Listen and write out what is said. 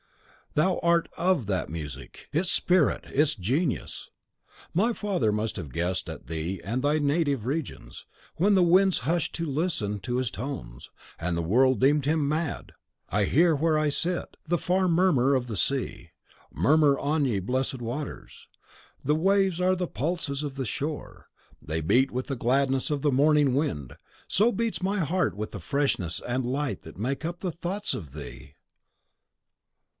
Thou art OF that music, its spirit, its genius. My father must have guessed at thee and thy native regions, when the winds hushed to listen to his tones, and the world deemed him mad! I hear where I sit, the far murmur of the sea. Murmur on, ye blessed waters! The waves are the pulses of the shore. They beat with the gladness of the morning wind, so beats my heart in the freshness and light that make up the thoughts of thee!